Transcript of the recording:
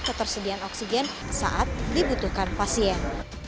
ketersediaan oksigen saat dibutuhkan pasien